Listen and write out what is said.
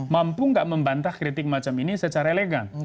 mampu nggak membantah kritik macam ini secara elegan